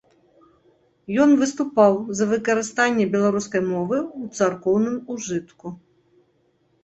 Ён выступаў за выкарыстанне беларускай мовы ў царкоўным ужытку.